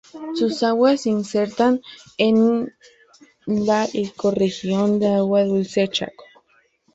Sus aguas se insertan en la ecorregión de agua dulce Chaco.